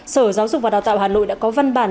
sở giáo dục và đào tạo hà nội đã có văn bản